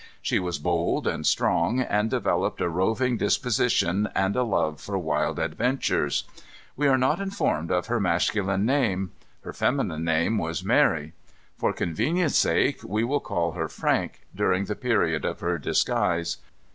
She was bold and strong, and developed a roving disposition and a love for wild adventures. We are not informed of her masculine name. Her feminine name was Mary. For convenience' sake we will call her Frank, during the period of her disguise.